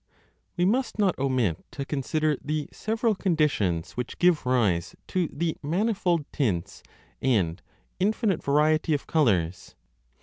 We must not omit to consider the several conditions 3 which give rise to the manifold tints and infinite variety of colours.